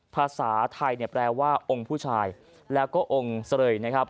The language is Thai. ภาษาไทยเนี่ยแปลว่าองค์ผู้ชายแล้วก็องค์เสรยนะครับ